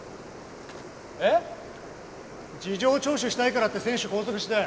えっ？事情聴取したいからって選手拘束して。